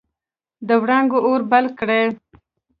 د وړانګو اور بل کړي